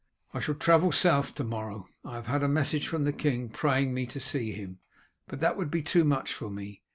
"I shall travel south to morrow. I have had a message from the king praying me to see him, but that would be too much for me.